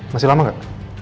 masih lama gak